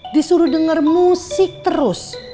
disuruh denger musik terus